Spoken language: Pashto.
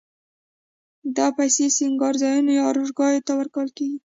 دا پیسې سینګارځایونو یا آرایشګاوو ته ورکول کېږي